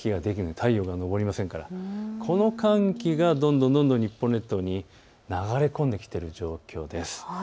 太陽が昇りませんからこの寒気がどんどん日本列島に流れ込んできている状況です。